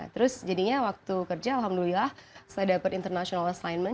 terus jadinya waktu kerja alhamdulillah saya dapat international assignment